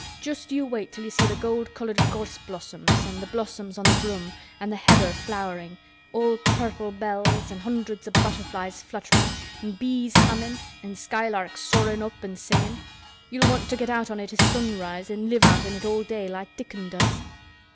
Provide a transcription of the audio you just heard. Just you wait till you see th' gold colored gorse blossoms an' th' blossoms o' th' broom, an' th' heather flowerin', all purple bells, an' hundreds o' butterflies flutterin' an' bees hummin' an' skylarks soarin' up an' singin'. You'll want to get out on it at sunrise an' live out on it all day like Dickon does."